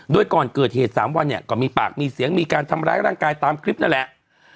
โดยก่อนเกิดเหตุ๓วันเนี่ยก็มีปากมีเสียงมีการทำร้ายร่างกายตามคลิปนั่นแหละ